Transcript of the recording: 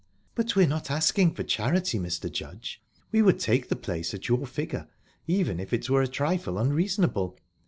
"But we're not asking for charity, Mr. Judge. We would take the place at your figure, even if it were a trifle unreasonable.